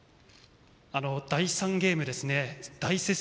第３ゲーム、大接戦